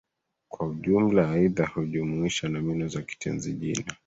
Kwa ujumla, aidha, hujumuisha nomino za kitenzi-jina.